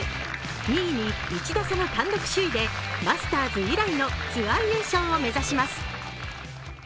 ２位に１打差の単独首位でマスターズ以来のツアー優勝を狙います。